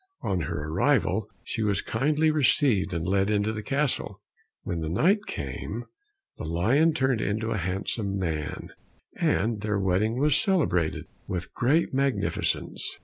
On her arrival she was kindly received and led into the castle. When night came, the lion turned into a handsome man, and their wedding was celebrated with great magnificence.